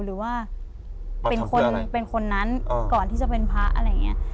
หรือว่าเป็นคนเป็นคนนั้นก่อนที่จะเป็นพระอะไรอย่างนี้